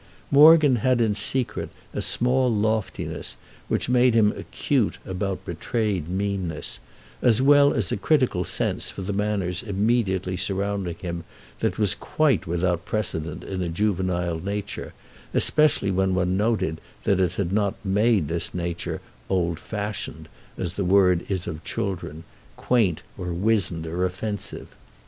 Morgan had in secret a small loftiness which made him acute about betrayed meanness; as well as a critical sense for the manners immediately surrounding him that was quite without precedent in a juvenile nature, especially when one noted that it had not made this nature "old fashioned," as the word is of children—quaint or wizened or offensive.